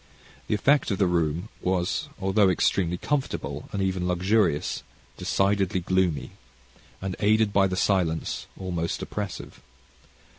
The effect of the room was, although extremely comfortable, and even luxurious, decidedly gloomy, and aided by the silence, almost oppressive.